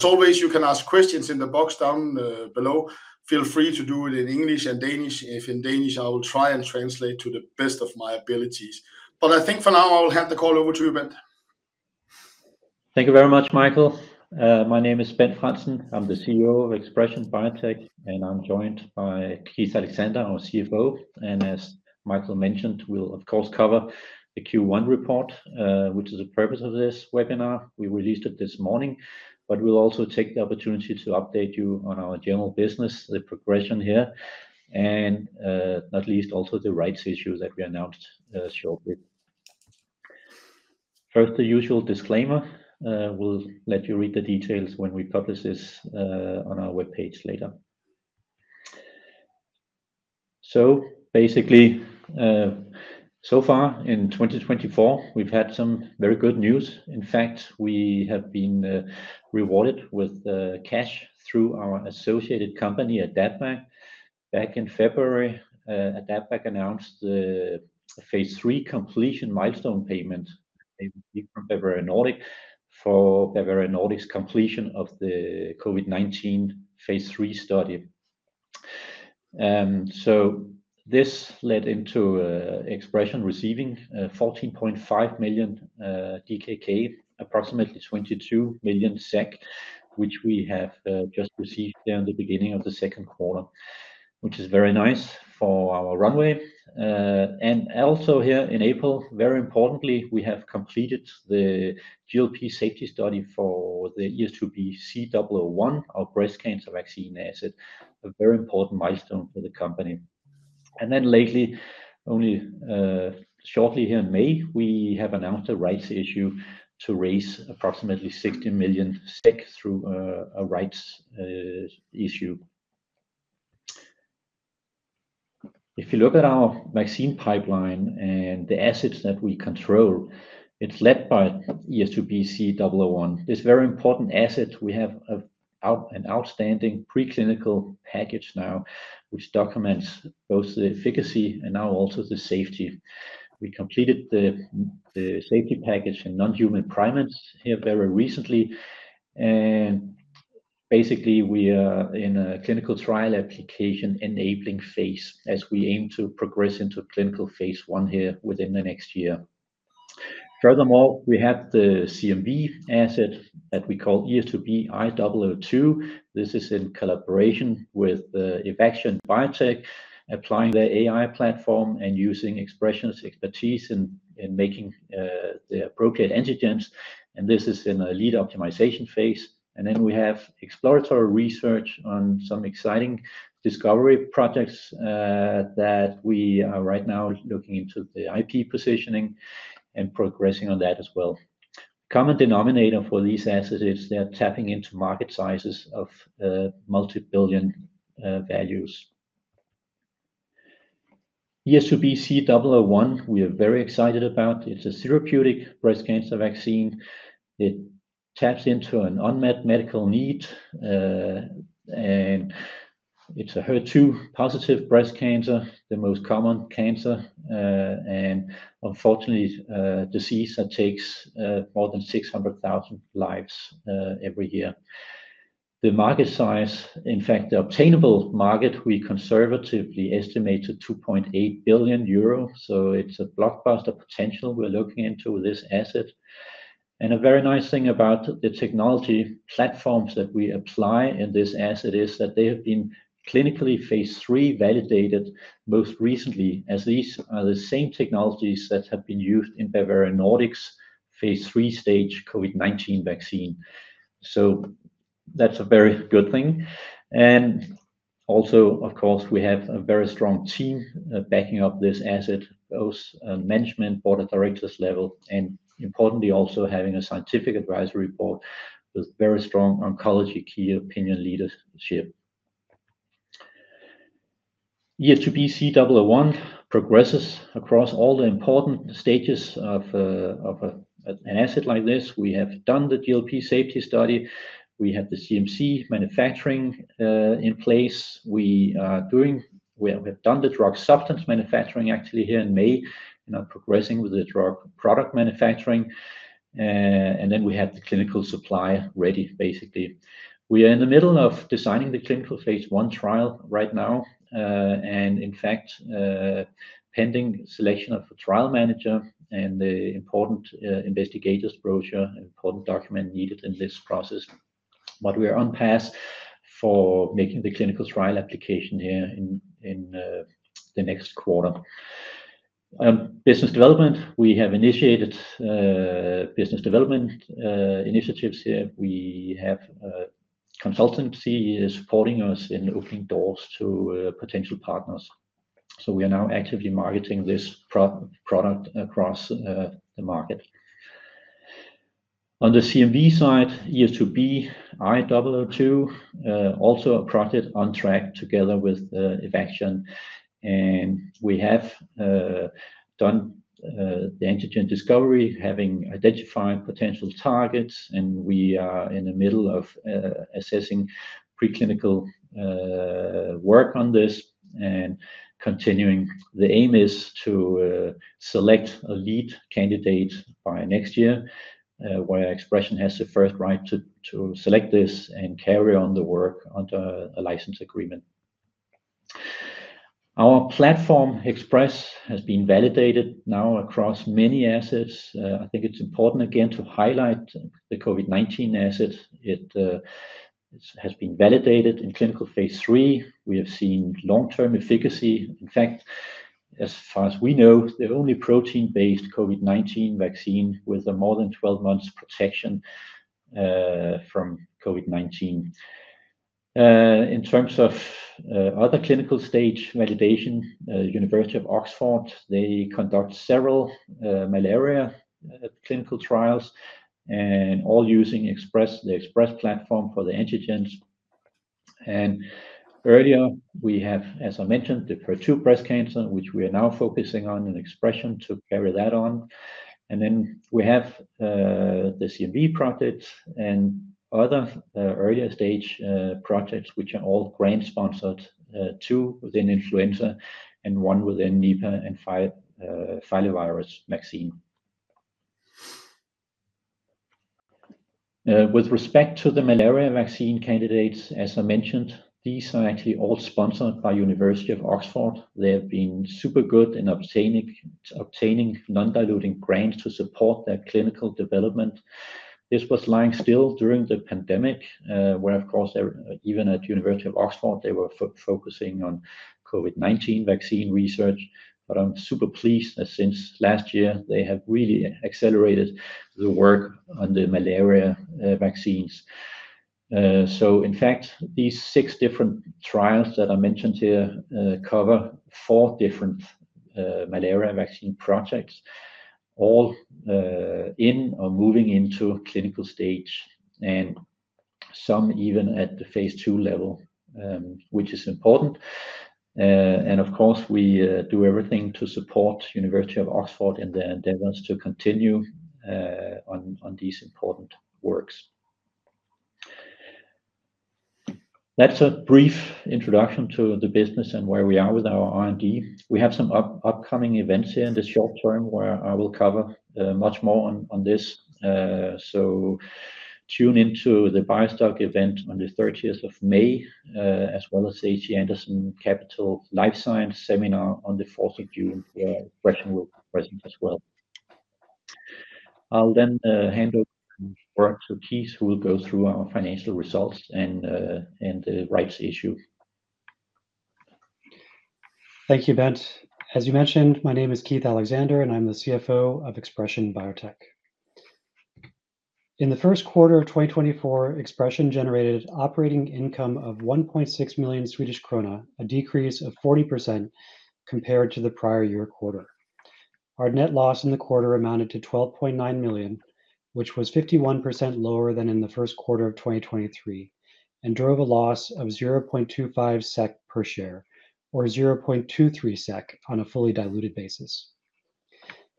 As always, you can ask questions in the box down below. Feel free to do it in English and Danish. If in Danish, I will try and translate to the best of my abilities. But I think for now, I will hand the call over to you, Bent. Thank you very much, Michael. My name is Bent Frandsen. I'm the CEO of ExpreS2ion Biotech, and I'm joined by Keith Alexander, our CFO. As Michael mentioned, we'll of course cover the Q1 report, which is the purpose of this webinar. We released it this morning, but we'll also take the opportunity to update you on our general business, the progression here, and, not least, also the rights issue that we announced, shortly. First, the usual disclaimer, we'll let you read the details when we publish this, on our webpage later. So basically, so far in 2024, we've had some very good news. In fact, we have been rewarded with cash through our associated company, AdaptVac. Back in February, AdaptVac announced the phase III completion milestone payment from Bavarian Nordic for Bavarian Nordic's completion of the COVID-19 phase III study. So this led into, ExpreS2ion receiving, 14.5 million DKK, approximately 22 million SEK, which we have, just received there in the beginning of the second quarter, which is very nice for our runway. And also here in April, very importantly, we have completed the GLP safety study for the ES2B-C001, our breast cancer vaccine asset, a very important milestone for the company. And then lately, only, shortly here in May, we have announced a rights issue to raise approximately 60 million SEK through, a rights issue. If you look at our vaccine pipeline and the assets that we control, it's led by ES2B-C001. This very important asset, we have an outstanding preclinical package now, which documents both the efficacy and now also the safety. We completed the safety package in non-human primates here very recently. Basically, we are in a clinical trial application-enabling phase as we aim to progress into clinical phase I here within the next year. Furthermore, we have the CMV asset that we call ES2B-I002. This is in collaboration with Evaxion Biotech, applying their AI platform and using ExpreS2ion's expertise in making the appropriate antigens, and this is in a lead optimization phase. Then we have exploratory research on some exciting discovery projects that we are right now looking into the IP positioning and progressing on that as well. Common denominator for these assets is they're tapping into market sizes of multi-billion values. ES2B-C001, we are very excited about. It's a therapeutic breast cancer vaccine. It taps into an unmet medical need, and it's a HER2 positive breast cancer, the most common cancer, and unfortunately, a disease that takes more than 600,000 lives every year. The market size, in fact, the obtainable market, we conservatively estimate to 2.8 billion euros, so it's a blockbuster potential we're looking into with this asset. And a very nice thing about the technology platforms that we apply in this asset is that they have been clinically phase III validated, most recently, as these are the same technologies that have been used in Bavarian Nordic's phase III stage COVID-19 vaccine. That's a very good thing. And also, of course, we have a very strong team backing up this asset, both at management board of directors level, and importantly, also having a scientific advisory board with very strong oncology key opinion leadership. ES2B-C001 progresses across all the important stages of a, an asset like this. We have done the GLP safety study. We have the CMC manufacturing in place. We've done the drug substance manufacturing actually here in May, and are progressing with the drug product manufacturing. And then we have the clinical supply ready, basically. We are in the middle of designing the clinical phase I trial right now, and in fact, pending selection of a trial manager and the important Investigator's Brochure, an important document needed in this process. But we are on path for making the clinical trial application here in the next quarter. Business development, we have initiated business development initiatives here. We have a consultancy supporting us in opening doors to potential partners, so we are now actively marketing this product across the market. On the CMV side, ES2B-I002, also a project on track together with Evaxion, and we have done the antigen discovery, having identified potential targets, and we are in the middle of assessing preclinical work on this and continuing. The aim is to select a lead candidate by next year, where ExpreS2ion has the first right to select this and carry on the work under a license agreement. Our platform, ExpreS2, has been validated now across many assets. I think it's important again to highlight the COVID-19 asset. It has been validated in clinical phase III. We have seen long-term efficacy. In fact, as far as we know, the only protein-based COVID-19 vaccine with more than 12 months protection from COVID-19. In terms of other clinical stage validation, University of Oxford, they conduct several malaria clinical trials, and all using ExpreS2, the ExpreS2 platform for the antigens. And earlier, we have, as I mentioned, the HER2 breast cancer, which we are now focusing on, in ExpreS2ion, to carry that on. And then we have the CMV project and other earlier stage projects, which are all grant-sponsored, two within influenza and one within Nipah and filovirus vaccine. With respect to the malaria vaccine candidates, as I mentioned, these are actually all sponsored by University of Oxford. They have been super good in obtaining non-diluting grants to support their clinical development. This was lying still during the pandemic, where, of course, even at University of Oxford, they were focusing on COVID-19 vaccine research. But I'm super pleased that since last year, they have really accelerated the work on the malaria vaccines. So in fact, these six different trials that I mentioned here cover four different malaria vaccine projects, all in or moving into a clinical stage, and some even at the phase II level, which is important. And of course, we do everything to support University of Oxford in their endeavors to continue on these important works. That's a brief introduction to the business and where we are with our R&D. We have some upcoming events here in the short term, where I will cover much more on this. So tune into the BioStock event on the thirtieth of May, as well as H.C. Andersen Capital Life Science seminar on the fourth of June. ExpreS2ion will present as well. I'll then hand over to Keith, who will go through our financial results and the rights issue. Thank you, Bent. As you mentioned, my name is Keith Alexander, and I'm the CFO of ExpreS2ion Biotech. In the first quarter of 2024, ExpreS2ion generated operating income of 1.6 million Swedish krona, a decrease of 40% compared to the prior year quarter. Our net loss in the quarter amounted to 12.9 million, which was 51% lower than in the first quarter of 2023, and drove a loss of 0.25 SEK per share, or 0.23 SEK on a fully diluted basis.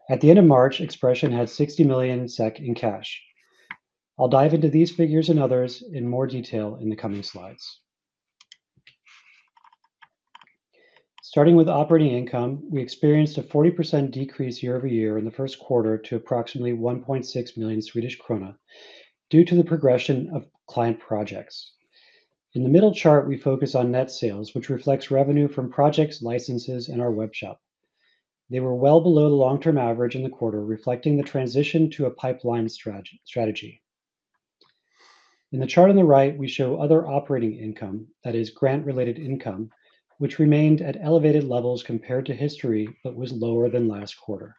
At the end of March, ExpreS2ion had 60 million SEK in cash. I'll dive into these figures and others in more detail in the coming slides. Starting with operating income, we experienced a 40% decrease year-over-year in the first quarter to approximately 1.6 million Swedish krona due to the progression of client projects. In the middle chart, we focus on net sales, which reflects revenue from projects, licenses, and our webshop. They were well below the long-term average in the quarter, reflecting the transition to a pipeline strategy. In the chart on the right, we show other operating income, that is, grant-related income, which remained at elevated levels compared to history, but was lower than last quarter.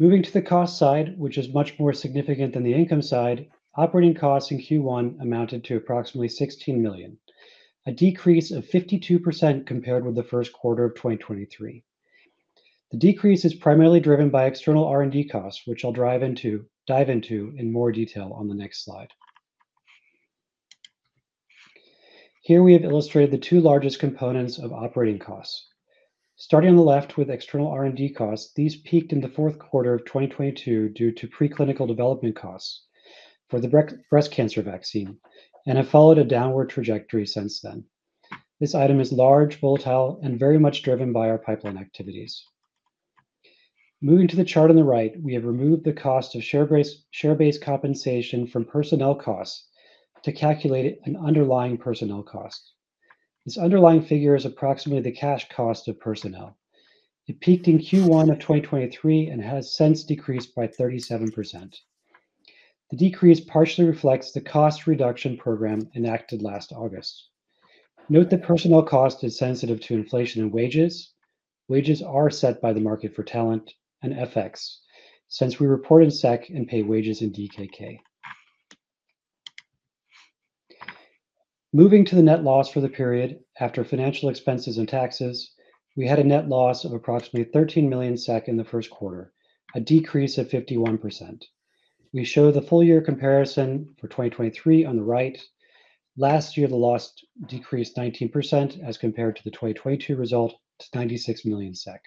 Moving to the cost side, which is much more significant than the income side, operating costs in Q1 amounted to approximately 16 million, a decrease of 52% compared with the first quarter of 2023. The decrease is primarily driven by external R&D costs, which I'll dive into in more detail on the next slide. Here, we have illustrated the two largest components of operating costs. Starting on the left with external R&D costs, these peaked in the fourth quarter of 2022 due to preclinical development costs for the breast cancer vaccine and have followed a downward trajectory since then. This item is large, volatile, and very much driven by our pipeline activities. Moving to the chart on the right, we have removed the cost of share-based compensation from personnel costs to calculate an underlying personnel cost. This underlying figure is approximately the cash cost of personnel. It peaked in Q1 of 2023 and has since decreased by 37%. The decrease partially reflects the cost reduction program enacted last August. Note that personnel cost is sensitive to inflation and wages. Wages are set by the market for talent and FX, since we report in SEK and pay wages in DKK. Moving to the net loss for the period, after financial expenses and taxes, we had a net loss of approximately 13 million SEK in the first quarter, a decrease of 51%. We show the full year comparison for 2023 on the right. Last year, the loss decreased 19% as compared to the 2022 result to 96 million SEK.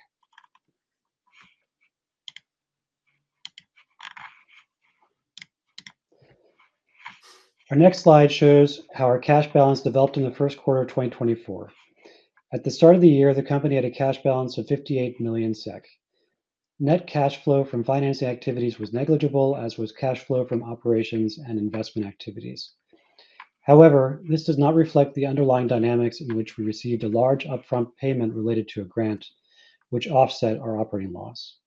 Our next slide shows how our cash balance developed in the first quarter of 2024. At the start of the year, the company had a cash balance of 58 million SEK.... Net cash flow from financing activities was negligible, as was cash flow from operations and investment activities. However, this does not reflect the underlying dynamics in which we received a large upfront payment related to a grant, which offset our operating loss.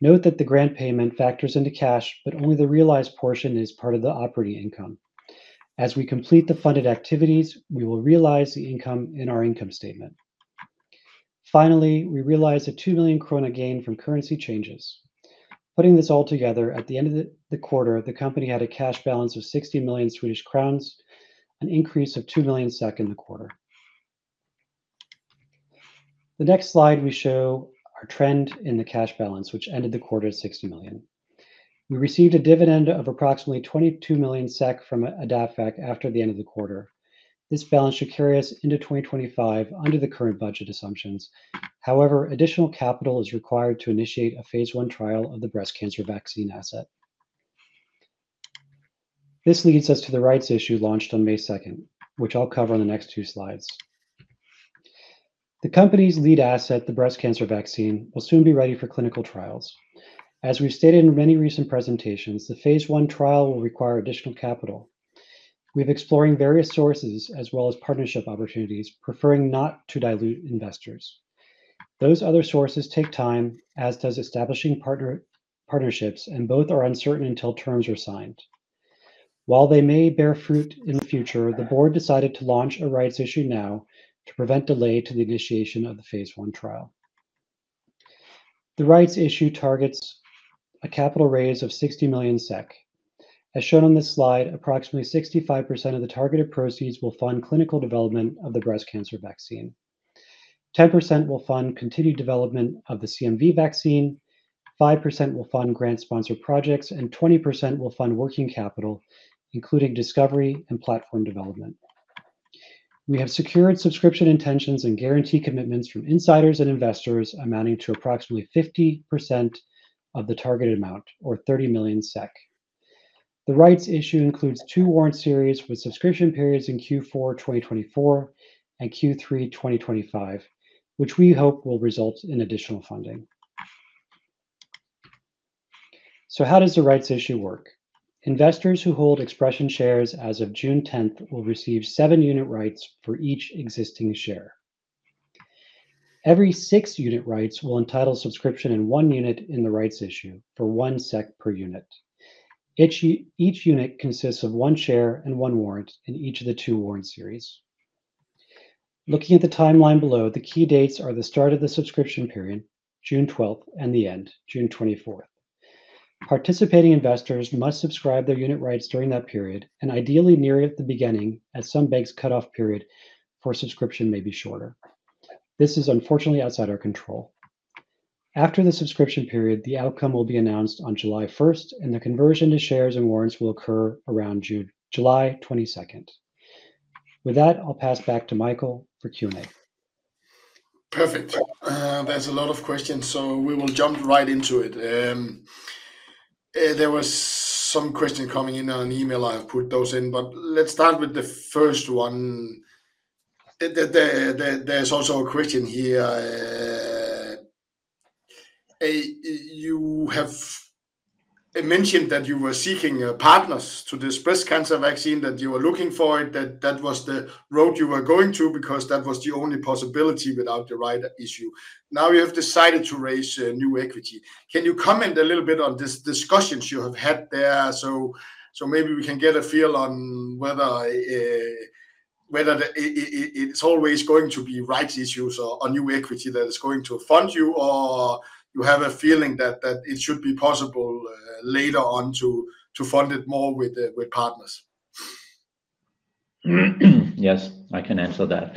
Note that the grant payment factors into cash, but only the realized portion is part of the operating income. As we complete the funded activities, we will realize the income in our income statement. Finally, we realized a 2 million krona gain from currency changes. Putting this all together, at the end of the quarter, the company had a cash balance of 60 million Swedish crowns, an increase of 2 million SEK in the quarter. The next slide, we show our trend in the cash balance, which ended the quarter at 60 million. We received a dividend of approximately 22 million SEK from AdaptVac after the end of the quarter. This balance should carry us into 2025 under the current budget assumptions. However, additional capital is required to initiate a phase I trial of the breast cancer vaccine asset. This leads us to the rights issue launched on May 2nd, which I'll cover on the next two slides. The company's lead asset, the breast cancer vaccine, will soon be ready for clinical trials. As we've stated in many recent presentations, the phase I trial will require additional capital. We're exploring various sources as well as partnership opportunities, preferring not to dilute investors. Those other sources take time, as does establishing partnerships, and both are uncertain until terms are signed. While they may bear fruit in the future, the board decided to launch a rights issue now to prevent delay to the initiation of the phase I trial. The rights issue targets a capital raise of 60 million SEK. As shown on this slide, approximately 65% of the targeted proceeds will fund clinical development of the breast cancer vaccine. 10% will fund continued development of the CMV vaccine, 5% will fund grant-sponsored projects, and 20% will fund working capital, including discovery and platform development. We have secured subscription intentions and guarantee commitments from insiders and investors, amounting to approximately 50% of the targeted amount, or 30 million SEK. The rights issue includes two warrant series, with subscription periods in Q4 2024 and Q3 2025, which we hope will result in additional funding. So how does the rights issue work? Investors who hold ExpreS2ion shares as of June 10th will receive seven unit rights for each existing share. Every six unit rights will entitle subscription in one unit in the rights issue for 1 SEK per unit. Each unit consists of one share and one warrant in each of the two warrant series. Looking at the timeline below, the key dates are the start of the subscription period, June 12, and the end, June 24. Participating investors must subscribe their unit rights during that period, and ideally near at the beginning, as some banks' cutoff period for subscription may be shorter. This is unfortunately outside our control. After the subscription period, the outcome will be announced on July 1st, and the conversion to shares and warrants will occur around July 22nd. With that, I'll pass back to Michael for Q&A. Perfect. There's a lot of questions, so we will jump right into it. There was some question coming in on an email. I have put those in, but let's start with the first one. There's also a question here. You have mentioned that you were seeking partners to this breast cancer vaccine, that you were looking for it, that that was the road you were going to, because that was the only possibility without the right issue. Now, you have decided to raise a new equity. Can you comment a little bit on these discussions you have had there, so maybe we can get a feel on whether it's always going to be rights issues or a new equity that is going to fund you, or you have a feeling that it should be possible later on to fund it more with partners? Yes, I can answer that.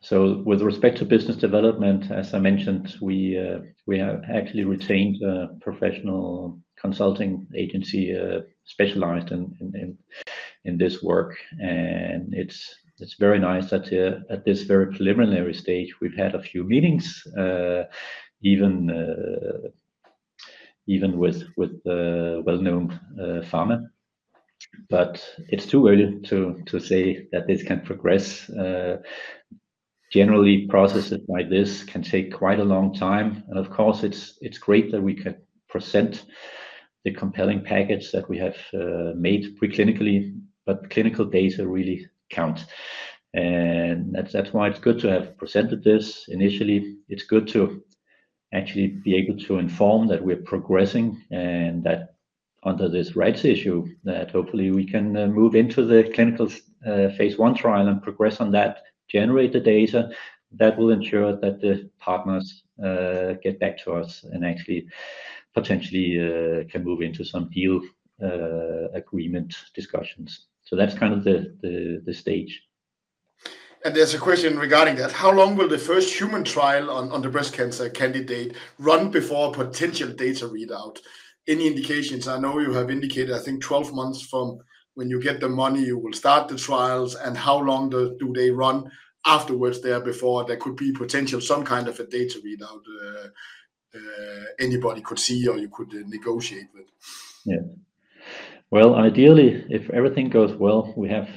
So with respect to business development, as I mentioned, we have actually retained a professional consulting agency, specialized in this work, and it's very nice that at this very preliminary stage, we've had a few meetings, even with well-known pharma, but it's too early to say that this can progress. Generally, processes like this can take quite a long time. And of course, it's great that we can present the compelling package that we have made preclinically, but clinical data really count. And that's why it's good to have presented this initially. It's good to actually be able to inform that we're progressing, and that under this rights issue, that hopefully we can move into the clinical phase I trial and progress on that, generate the data that will ensure that the partners get back to us and actually potentially can move into some deal agreement discussions. So that's kind of the stage. There's a question regarding that: How long will the first human trial on the breast cancer candidate run before potential data readout? Any indications? I know you have indicated, I think, 12 months from when you get the money, you will start the trials, and how long do they run afterwards there, before there could be potential some kind of a data readout anybody could see or you could negotiate with?... Yeah. Well, ideally, if everything goes well, we have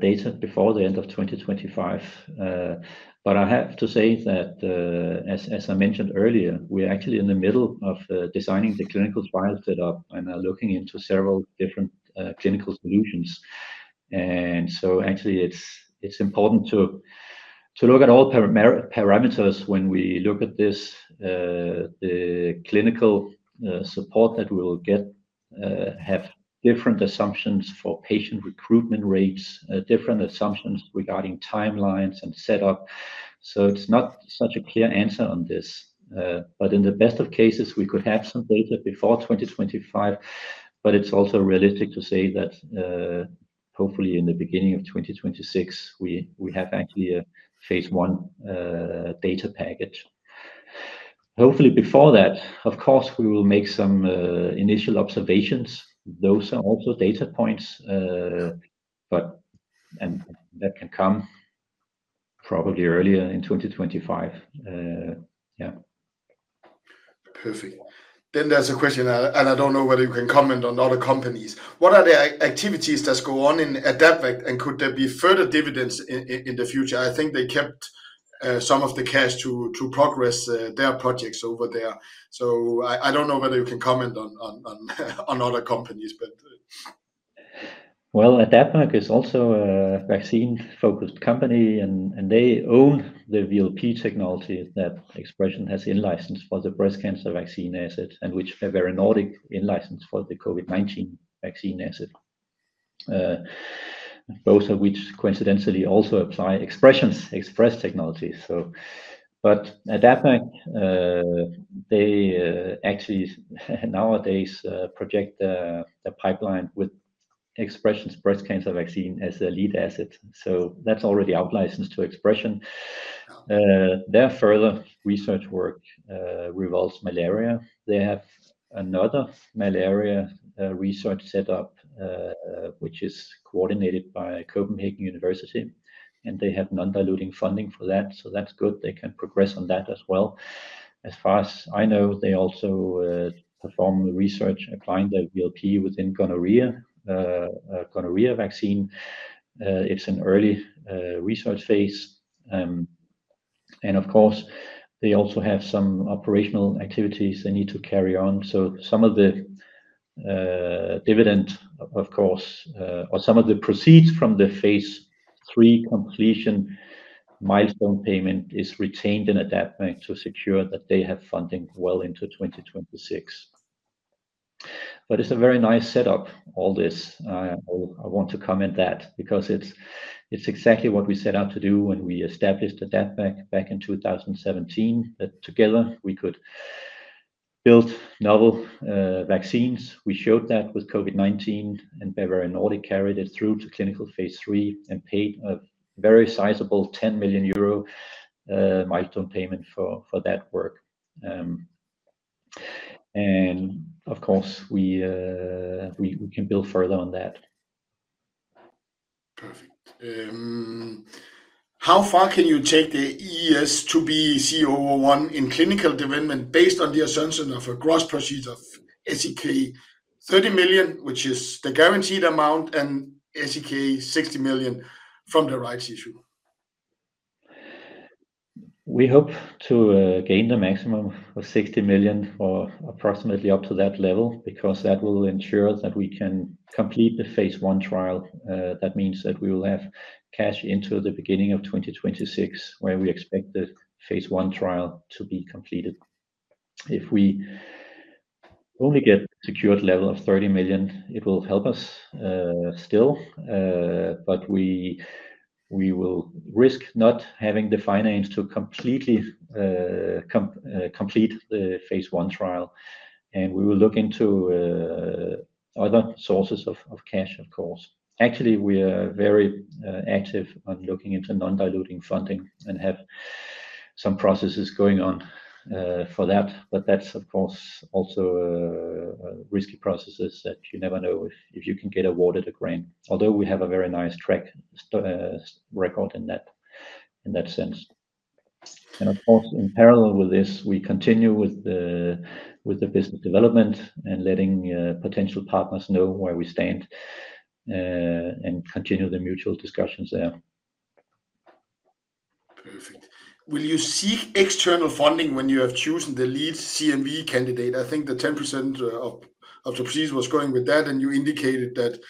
data before the end of 2025. But I have to say that, as I mentioned earlier, we are actually in the middle of designing the clinical trial setup and are looking into several different clinical solutions. And so actually, it's important to look at all parameters when we look at this. The clinical support that we will get have different assumptions for patient recruitment rates, different assumptions regarding timelines and setup. So it's not such a clear answer on this. But in the best of cases, we could have some data before 2025, but it's also realistic to say that, hopefully in the beginning of 2026, we have actually a phase I data package. Hopefully before that, of course, we will make some initial observations. Those are also data points, but... That can come probably earlier in 2025. Yeah. Perfect. Then there's a question, and I don't know whether you can comment on other companies. What are the activities that go on in AdaptVac, and could there be further dividends in the future? I think they kept some of the cash to progress their projects over there. So I don't know whether you can comment on other companies, but... Well, AdaptVac is also a vaccine-focused company, and they own the VLP technology that ExpreS2ion has in-licensed for the breast cancer vaccine asset, and which Bavarian Nordic in-licensed for the COVID-19 vaccine asset. Both of which coincidentally also apply ExpreS2ion's ExpreS2ion technology, so. But AdaptVac, they actually nowadays project the pipeline with ExpreS2ion's breast cancer vaccine as their lead asset, so that's already out-licensed to ExpreS2ion. Their further research work revolves malaria. They have another malaria research set up, which is coordinated by University of Copenhagen, and they have non-diluting funding for that, so that's good. They can progress on that as well. As far as I know, they also perform the research, applying the VLP within gonorrhea vaccine. It's an early research phase. Of course, they also have some operational activities they need to carry on. Some of the dividend, of course, or some of the proceeds from the phase III completion milestone payment is retained in AdaptVac to secure that they have funding well into 2026. But it's a very nice setup, all this. I want to comment that because it's exactly what we set out to do when we established AdaptVac back in 2017, that together we could build novel vaccines. We showed that with COVID-19, and Bavarian Nordic carried it through to clinical phase III and paid a very sizable 10 million euro milestone payment for that work. Of course, we can build further on that. Perfect. How far can you take the ES2B-C001 in clinical development based on the assumption of a gross proceeds of SEK 30 million, which is the guaranteed amount, and SEK 60 million from the rights issue? We hope to gain the maximum of 60 million or approximately up to that level, because that will ensure that we can complete the phase I trial. That means that we will have cash into the beginning of 2026, where we expect the phase I trial to be completed. If we only get secured level of 30 million, it will help us still, but we will risk not having the finance to completely complete the phase I trial, and we will look into other sources of cash, of course. Actually, we are very active on looking into non-diluting funding and have some processes going on for that. But that's, of course, also risky processes that you never know if you can get awarded a grant, although we have a very nice track record in that sense. And of course, in parallel with this, we continue with the business development and letting potential partners know where we stand and continue the mutual discussions there. Perfect. Will you seek external funding when you have chosen the lead CMV candidate? I think the 10% of the proceeds was going with that, and you indicated that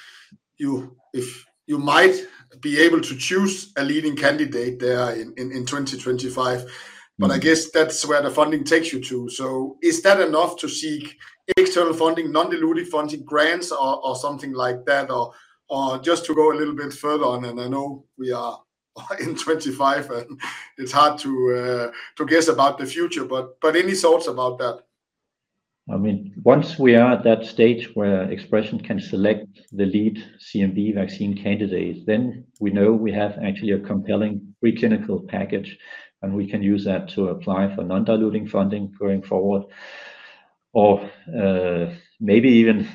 if you might be able to choose a leading candidate there in 2025. Mm. I guess that's where the funding takes you to. Is that enough to seek external funding, non-dilutive funding, grants or, or something like that, or, or just to go a little bit further on? I know we are in 2025, and it's hard to to guess about the future, but, but any thoughts about that? I mean, once we are at that stage where ExpreS2ion can select the lead CMV vaccine candidate, then we know we have actually a compelling preclinical package, and we can use that to apply for non-diluting funding going forward. Or, maybe even,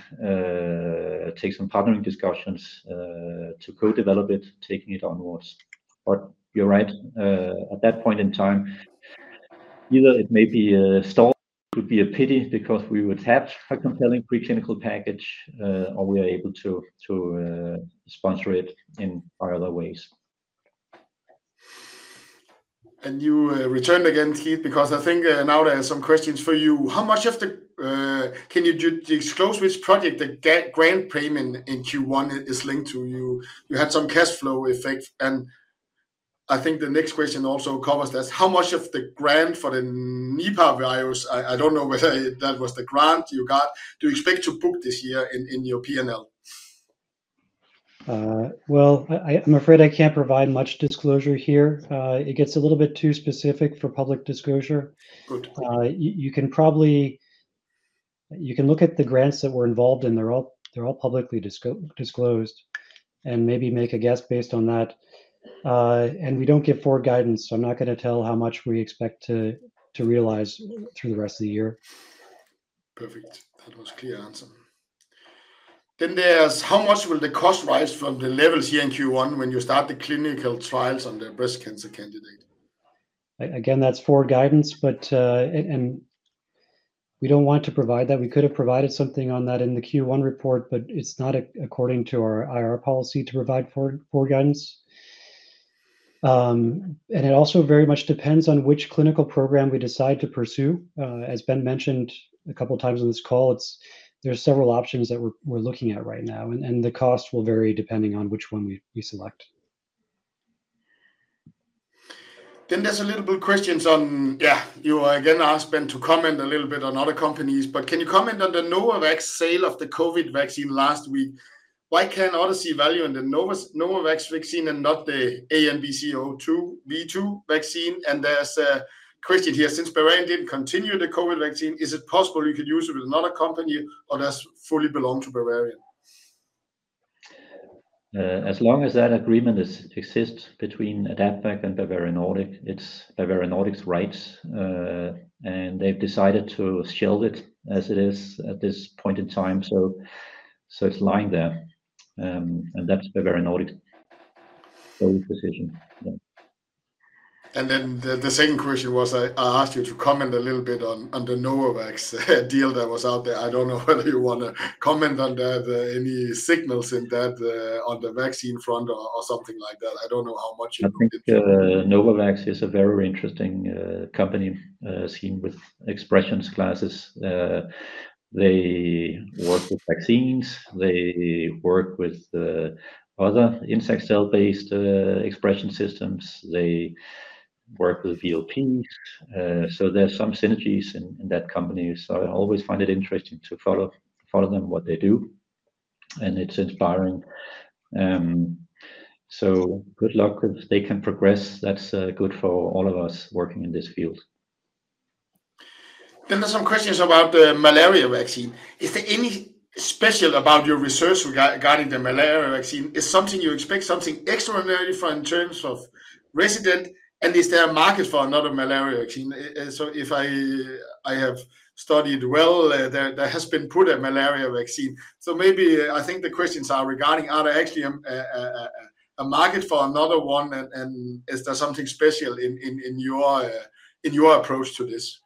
take some partnering discussions, to co-develop it, taking it onwards. But you're right, at that point in time, either it may be stalled, could be a pity because we would have a compelling preclinical package, or we are able to sponsor it in other ways. You return again, Keith, because I think now there are some questions for you. Can you disclose which project the grant payment in Q1 is linked to? You had some cash flow effect, and I think the next question also covers this. How much of the grant for the Nipah virus, I don't know whether that was the grant you got, do you expect to book this year in your P&L? Well, I, I'm afraid I can't provide much disclosure here. It gets a little bit too specific for public disclosure. Good. You can probably... You can look at the grants that we're involved in, they're all publicly disclosed, and maybe make a guess based on that. We don't give forward guidance, so I'm not gonna tell how much we expect to realize through the rest of the year. Perfect. That was a clear answer. Then there's, how much will the cost rise from the levels here in Q1 when you start the clinical trials on the breast cancer candidate? Again, that's forward guidance, but and we don't want to provide that. We could have provided something on that in the Q1 report, but it's not according to our IR policy to provide forward guidance. And it also very much depends on which clinical program we decide to pursue. As Bent mentioned a couple of times on this call, it's there are several options that we're looking at right now, and the cost will vary depending on which one we select. Then there's a little bit of questions on. Yeah, you are again asked, Bent, to comment a little bit on other companies, but can you comment on the Novavax sale of the COVID vaccine last week? Why can others see value in the Novavax vaccine and not the ES2B-C001 or COVID-19 vaccine. As long as that agreement exists between AdaptVac and Bavarian Nordic, it's Bavarian Nordic's rights. And they've decided to shield it as it is at this point in time, so it's lying there. And that's Bavarian Nordic's sole decision. Yeah. And then the second question was, I asked you to comment a little bit on the Novavax deal that was out there. I don't know whether you want to comment on that, any signals in that, on the vaccine front or something like that. I don't know how much you know about that. I think, Novavax is a very interesting company, seen with ExpreS2ion classes. They work with vaccines, they work with other insect cell-based expression systems, they work with VLP. So there are some synergies in that company. So I always find it interesting to follow them, what they do, and it's inspiring. So good luck. If they can progress, that's good for all of us working in this field. Then there's some questions about the malaria vaccine. Is there anything special about your research regarding the malaria vaccine? Is there something you expect something extraordinary for in terms of resistance, and is there a market for another malaria vaccine? So if I have studied well, there has been a malaria vaccine. So maybe I think the questions are regarding, are there actually a market for another one, and is there something special in your approach to this?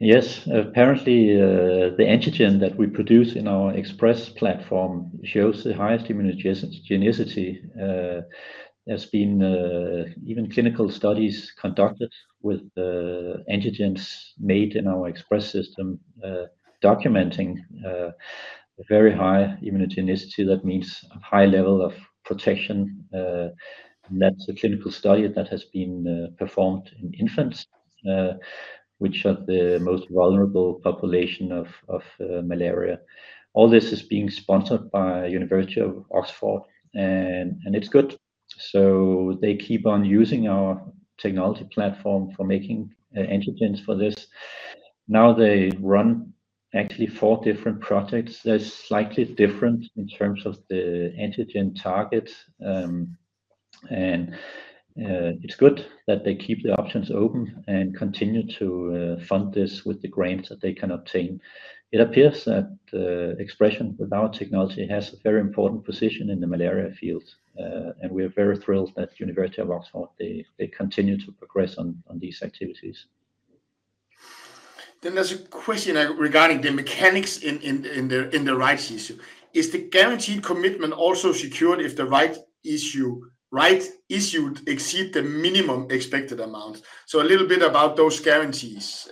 Yes. Apparently, the antigen that we produce in our ExpreS2 platform shows the highest immunogenicity. There's been even clinical studies conducted with antigens made in our ExpreS2 system, documenting very high immunogenicity. That means a high level of protection. And that's a clinical study that has been performed in infants, which are the most vulnerable population of malaria. All this is being sponsored by University of Oxford, and it's good. So they keep on using our technology platform for making antigens for this. Now they run actually four different projects that's slightly different in terms of the antigen targets. And it's good that they keep the options open and continue to fund this with the grants that they can obtain. It appears that, ExpreS2ion with our technology has a very important position in the malaria field, and we are very thrilled that University of Oxford, they continue to progress on these activities. Then there's a question regarding the mechanics in the rights issue. Is the guaranteed commitment also secured if the rights issue exceeds the minimum expected amount? So a little bit about those guarantees.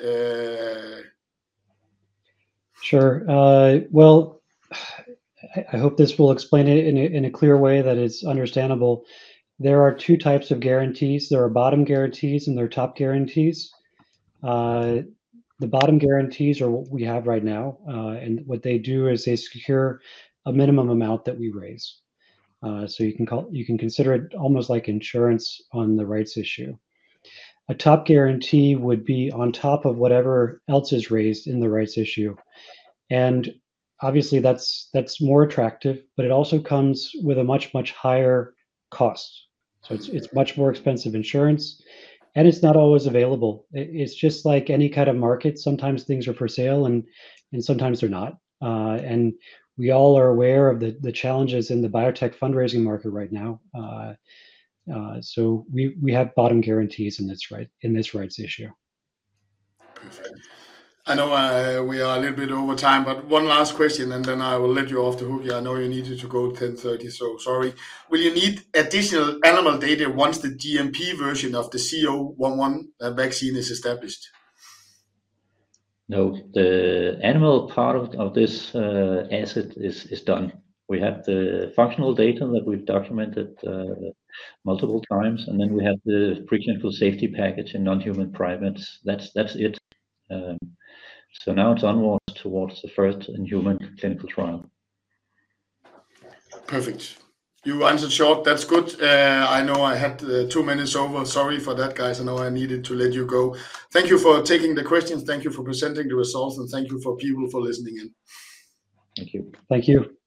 Sure. Well, I hope this will explain it in a clear way that is understandable. There are two types of guarantees. There are bottom guarantees, and there are top guarantees. The bottom guarantees are what we have right now, and what they do is they secure a minimum amount that we raise. So you can consider it almost like insurance on the rights issue. A top guarantee would be on top of whatever else is raised in the rights issue, and obviously, that's more attractive, but it also comes with a much, much higher cost. So it's much more expensive insurance, and it's not always available. It's just like any kind of market. Sometimes things are for sale, and sometimes they're not. We all are aware of the challenges in the biotech fundraising market right now. We have bottom guarantees in this rights issue. I know, we are a little bit over time, but one last question, and then I will let you off the hook here. I know you needed to go 10:30, so sorry. Will you need additional animal data once the GMP version of the CO01 vaccine is established? No, the animal part of this asset is done. We have the functional data that we've documented multiple times, and then we have the preclinical safety package in non-human primates. That's it. So now it's onwards towards the first in-human clinical trial. Perfect. You answered short. That's good. I know I had two minutes over. Sorry for that, guys. I know I needed to let you go. Thank you for taking the questions, thank you for presenting the results, and thank you for people for listening in. Thank you. Thank you.